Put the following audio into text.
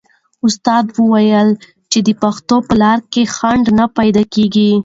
استاد وویل چې د پوهې په لار کې خنډ نه پیدا کېږي.